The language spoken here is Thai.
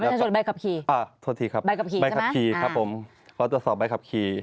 บัตรประชาชนใบขับขี่